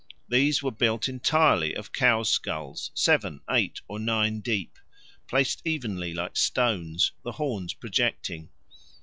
These were built entirely of cows' skulls, seven, eight, or nine deep, placed evenly like stones, the horns projecting.